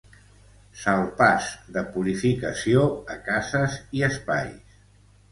Salpàs de purificació a cases i espais.